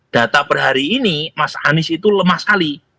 data per hari ini mas anies itu lemah sekali